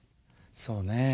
そうね。